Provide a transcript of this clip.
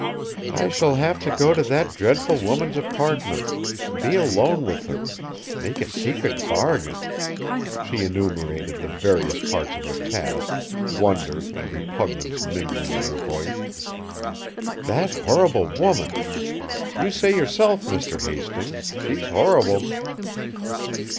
"I shall have to go to that dreadful woman's apartment, be alone with her, make a secret bargain," she enumerated the various parts of her task, wonder and repugnance mingling in her voice. "That horrible woman! You say, yourself, Mr. Hastings, she's horrible."